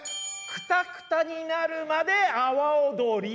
クタクタになるまで阿波おどり。